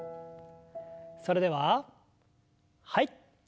それでははい。